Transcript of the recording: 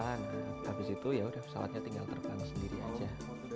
habis itu yaudah pesawatnya tinggal terbang sendiri aja